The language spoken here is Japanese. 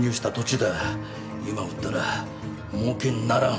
今売ったらもうけにならん。